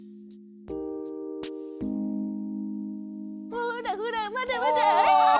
ほらほらまだまだ！